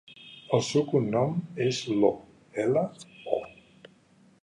El seu cognom és Lo: ela, o.